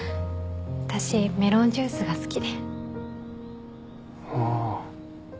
私メロンジュースが好きでああー